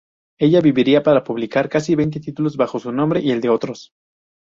Ella viviría para publicar casi veinte títulos bajo su nombre y el de otros.